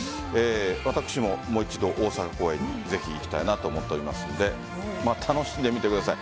私も、もう一度大阪公演にぜひ行きたいなと思っていますので楽しんで見てください。